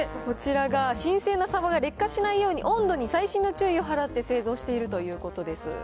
こちらは新鮮なサバが劣化しないように、温度に細心の注意を払って製造しているということです。